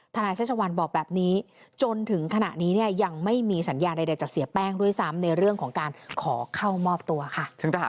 นายชัชวัลบอกแบบนี้จนถึงขณะนี้เนี่ยยังไม่มีสัญญาใดจากเสียแป้งด้วยซ้ำในเรื่องของการขอเข้ามอบตัวค่ะ